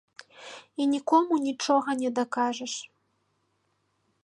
І нікому нічога не дакажаш.